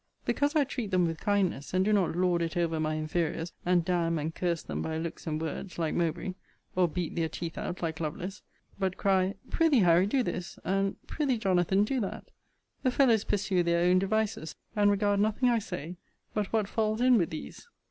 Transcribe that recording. Because I treat them with kindness, and do not lord it over my inferiors, and d n and curse them by looks and words like Mowbray; or beat their teeth out like Lovelace; but cry, Pr'ythee, Harry, do this, and, Pr'ythee, Jonathan, do that; the fellows pursue their own devices, and regard nothing I say, but what falls in with these.